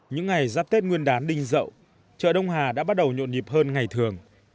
những ngày giáp tết nguyên đán đinh rậu chợ đông hà đã bắt đầu nhộn nhịp hơn ngày thường